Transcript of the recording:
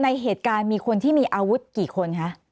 ในเหตุการณ์มีคนที่มีอาวุธกี่คนคะ